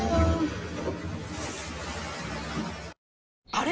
あれ？